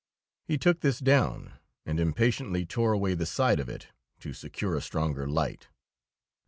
He took this down, and impatiently tore away the side of it to secure a stronger light.